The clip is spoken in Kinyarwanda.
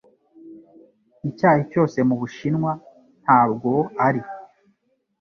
Icyayi cyose mu Bushinwa - Ntabwo ari